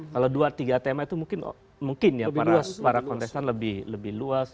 kalau dua tiga tema itu mungkin ya para kontestan lebih luas